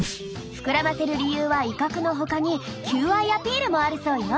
膨らませる理由は威嚇のほかに求愛アピールもあるそうよ。